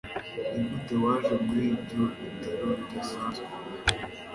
Nigute waje muri ibyo bitabo bidasanzwe